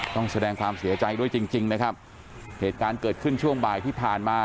ต้องแสดงความเสียใจด้วยจริงจริงนะครับเหตุการณ์เกิดขึ้นช่วงบ่ายที่ผ่านมา